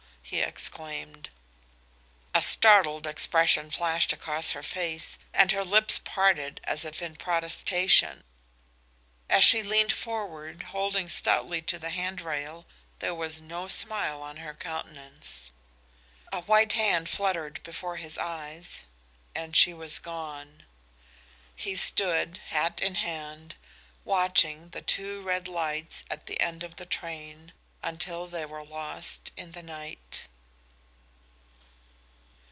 he exclaimed. A startled expression flashed across her face, and her lips parted as if in protestation. As she leaned forward, holding stoutly to the hand rail, there was no smile on her countenance. A white hand fluttered before his eyes, and she was gone. He stood, hat in hand, watching the two red lights at the end of the train until they were lost in the night.